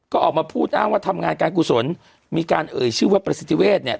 ก็ออกมาพูดอ้างว่าทำงานการกุศลมีการเอ่ยชื่อว่าประสิทธิเวศเนี่ย